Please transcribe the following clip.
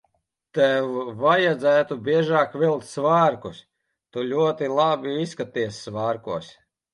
Tev vajadzētu biežāk vilkt svārkus. Tu ļoti labi izskaties svārkos.